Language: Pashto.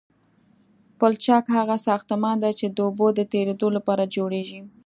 پلچک هغه ساختمان دی چې د اوبو د تیرېدو لپاره جوړیږي